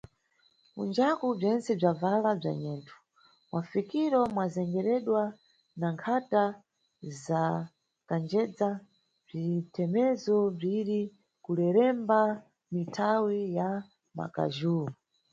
Kunjaku bzentse bzabvala bza nyetu, mʼmafikiro mwa zengereredwa na nkhata za kanjedza, bzithemezo bziri kuleremba mʼmithawi ya mʼmakaju.